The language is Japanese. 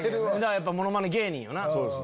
やっぱものまね芸人よな。